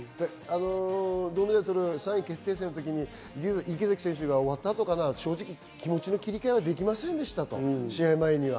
３位決定戦の時に池崎選手が終わった後、正直、気持ちの切り替えできませんでした、試合前には。